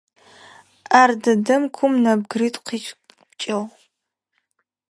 Ар дэдэм кум нэбгыритӏу къипкӏыгъ.